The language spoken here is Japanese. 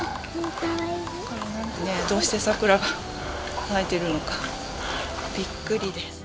どうして桜が咲いているのか、びっくりです。